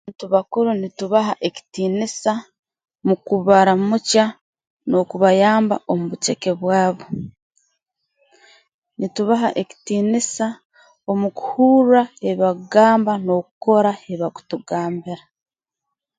Abantu bakuru nitubaha ekitiinisa mu kubaramukya n'okubayamba omu buceke bwabo nitubaha ekitiinisa omu kuhurrra ebi bakugamba n'okukora ebi bakutugambira